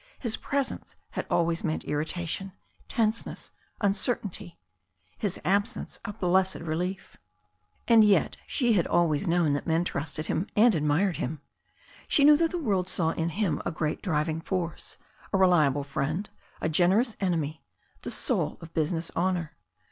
His presence had always meant irrita tion, tenseness, uncertainty; his absence a blessed relief. And yet she had always known that men trusted him and admired him. She knew that the world saw in him a great driving force, a reliable friend, a generous enemy, the soul of business honour.